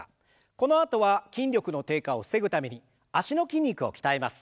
このあとは筋力の低下を防ぐために脚の筋肉を鍛えます。